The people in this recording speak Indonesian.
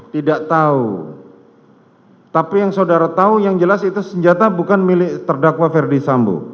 tidak tahu tapi yang saudara tahu yang jelas itu senjata bukan milik terdakwa ferdi sambo